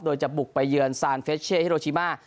โดยจะบุกไปเยือนซานเฟชเช่ฮิโรชิมา